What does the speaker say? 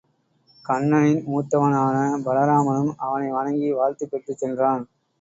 கண்ணனின் மூத்தவனான பலராமனும் அவனை வணங்கி வாழ்த்துப் பெற்றுச் சென் றான்.